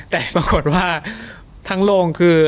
แต่ปรากฏว่าทั้งโรงคือ